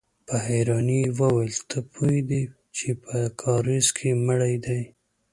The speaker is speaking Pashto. په حيرانۍ يې وويل: ته پوهېدې چې په کاريزه کې مړی دی؟